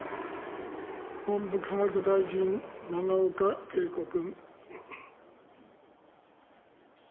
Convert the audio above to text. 文部科学大臣、永岡桂子君。